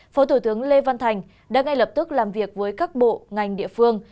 phó thủ tướng lê văn thành đã ngay lập tức làm việc với các bộ ngành địa phương